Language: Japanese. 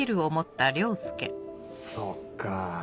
そっかぁ